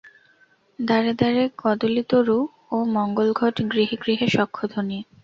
দ্বারে দ্বারে কদলীতরু ও মঙ্গলঘট, গৃহে গৃহে শঙ্খধ্বনি।